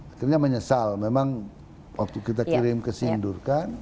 akhirnya menyesal memang waktu kita kirim ke sindur kan